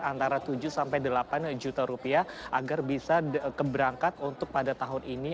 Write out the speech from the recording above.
antara tujuh sampai delapan juta rupiah agar bisa keberangkat untuk pada tahun ini